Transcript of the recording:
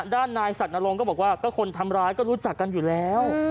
ด้านนายศักดนรงค์ก็บอกว่าก็คนทำร้ายก็รู้จักกันอยู่แล้ว